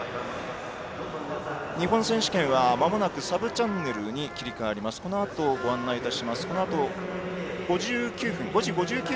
日本選手権はまもなくサブチャンネルに切り替わります。